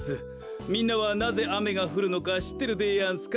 みんなはなぜあめがふるのかしってるでやんすか？